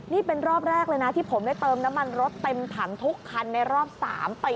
นี่เป็นรอบแรกเลยนะที่ผมได้เติมน้ำมันรถเต็มถังทุกคันในรอบ๓ปี